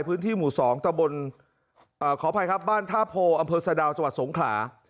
พื้นที่หมู่๒ตะบนขออภัยครับบ้านท่าโพอำเภอสะดาวจังหวัดสงขลา